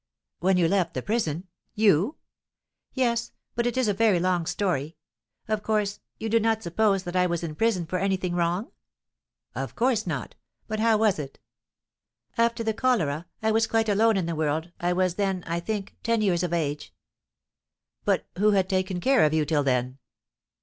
"When you left the prison! you?" "Yes, but it is a very long story. Of course, you do not suppose that I was in prison for anything wrong?" "Of course not; but how was it?" "After the cholera, I was quite alone in the world. I was then, I think, ten years of age." "But who had taken care of you till then?"